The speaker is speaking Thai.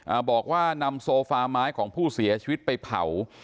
อ่าบอกว่านำโซฟาไม้ของผู้เสียชีวิตไปเผา